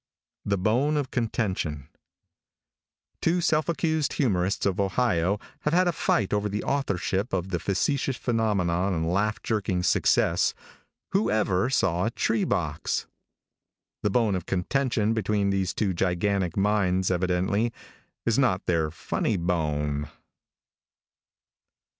THE BONE OF CONTENTION. |TWO self accused humorists of Ohio have had a fight over the authorship of the facetious phenomenon and laugh jerking success, "Who ever saw a tree box?" The bone of contention between these two gigantic minds, evidently, is not their funny bone.